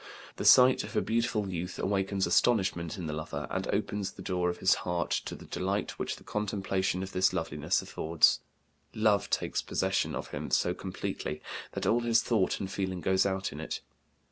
The sight of a beautiful youth awakens astonishment in the lover, and opens the door of his heart to the delight which the contemplation of this loveliness affords. Love takes possession of him so completely that all his thought and feeling goes out in it.